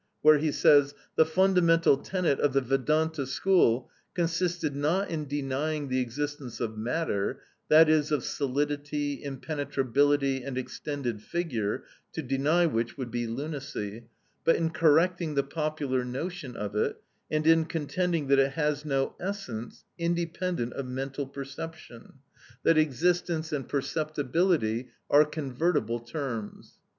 164), where he says, "The fundamental tenet of the Vedanta school consisted not in denying the existence of matter, that is, of solidity, impenetrability, and extended figure (to deny which would be lunacy), but in correcting the popular notion of it, and in contending that it has no essence independent of mental perception; that existence and perceptibility are convertible terms."